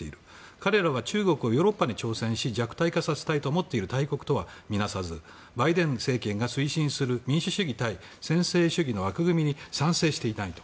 彼らは中国がヨーロッパに挑戦して弱体化させようとしている大国とはみなさずバイデン政権が推進する民主主義対専制主義の枠組みに賛成していない。